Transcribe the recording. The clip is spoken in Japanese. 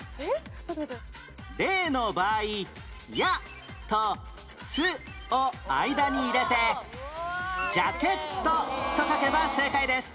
例の場合「や」と「つ」を間に入れて「じゃけっと」と書けば正解です